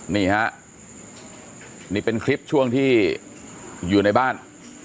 นี่ฮะนี่เป็นคลิปช่วงที่อยู่ในบ้าน